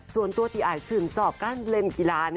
ส่วนตัวที่อายสืบสอบก้านเล่นกีฬา